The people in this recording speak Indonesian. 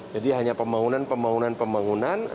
jadi hanya pembangunan pembangunan pembangunan